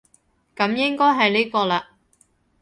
噉應該係呢個喇